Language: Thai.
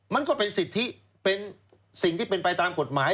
มันก็เป็นสิทธิเป็นสิ่งที่เป็นไปตามกฎหมาย